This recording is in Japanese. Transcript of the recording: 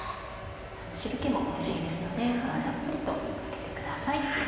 汁気もおいしいですのでたっぷりとかけてください。